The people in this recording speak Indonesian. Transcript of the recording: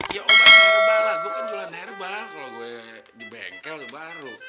ya umar air bala gue kan jualan air bala kalau gue di bengkel ya baru